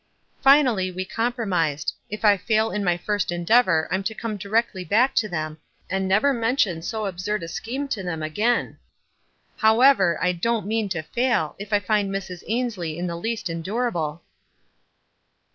Finally we compromised ; if I fail in my first endeavor I'm to come directly back to them, and never mention so absurd a scheme to them again. However, I don't mean to fail, if I find Mrs. Ainslie in the least endurable."